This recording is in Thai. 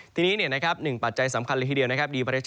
ทีนี้เนี่ยนะครับหนึ่งปัจจัยสำคัญเลยทีเดียวนะครับ